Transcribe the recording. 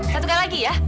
satu kali lagi ya